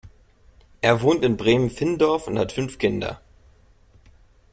Er wohnt in Bremen-Findorff und hat fünf Kinder.